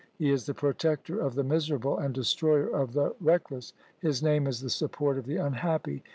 He is the Protector of the miserable and Destroyer of the reck less. His name is the Support of the unhappy.